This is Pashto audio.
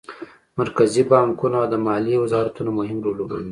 مرکزي بانکونه او د مالیې وزارتونه مهم رول لوبوي